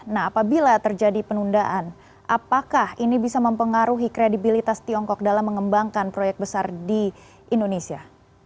nah apabila terjadi penundaan apakah ini bisa mempengaruhi kredibilitas tiongkok dalam mengembangkan proyek besar di indonesia